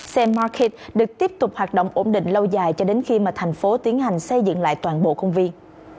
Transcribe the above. xe market được tiếp tục hoạt động ổn định lâu dài cho đến khi mà thành phố tiến hành xây dựng lại toàn bộ công viên